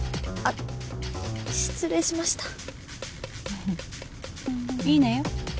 あっ失礼しましたいいのよ